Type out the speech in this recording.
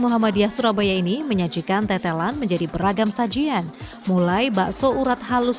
muhammadiyah surabaya ini menyajikan tetelan menjadi beragam sajian mulai bakso urat halus